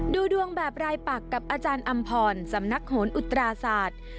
ดูดวงแบบรายปักกับอาจารย์อำพรสำนักโหนอุตราศาสตร์